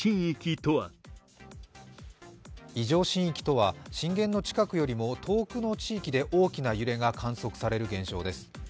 異常震域とは震源の近くよりも遠くの地域で大きな揺れが観測される現象です。